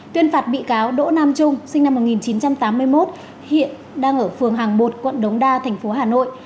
tuyên phạt bị cáo đỗ nam trung sinh năm một nghìn chín trăm tám mươi một hiện đang ở phường hàng một quận đống đa thành phố hà nội